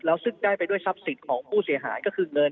แล้วซึ่งได้ไปด้วยทรัพย์สินของผู้เสียหายก็คือเงิน